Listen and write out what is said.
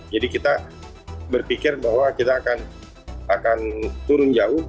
jadi kita berpikir bahwa kita akan turun jauh